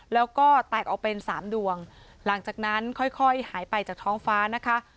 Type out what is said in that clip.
แล้วก็แตกออกเป็น๓ดวงหลังจากนั้นค่อยหายไปจากท้องฟ้านะคะ